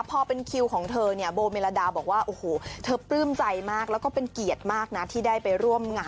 พอเป็นคิวของเธอเนี่ยโบเมลดาบอกว่าโอ้โหเธอปลื้มใจมากแล้วก็เป็นเกียรติมากนะที่ได้ไปร่วมงาน